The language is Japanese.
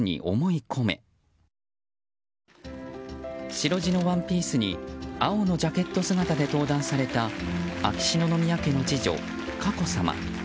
白地のワンピースに青のジャケット姿で登壇された秋篠宮家の次女・佳子さま。